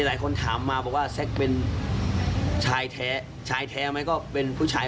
หลายคนถามมาบอกว่าแซ็กเป็นชายแท้ชายแท้ไหมก็เป็นผู้ชาย